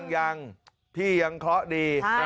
ยังพี่ยังเคราะห์ดี